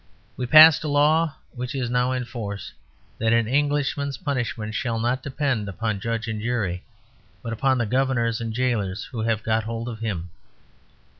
We passed a law (which is now in force) that an Englishman's punishment shall not depend upon judge and jury, but upon the governors and jailers who have got hold of him.